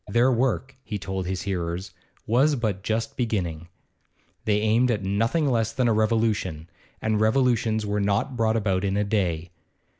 Their work, he told his hearers, was but just beginning. They aimed at nothing less than a revolution, and revolutions were not brought about in a day.